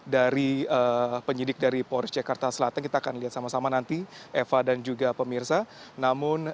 dari penyidik dari polres jakarta selatan kita akan lihat sama sama nanti eva dan juga pemirsa namun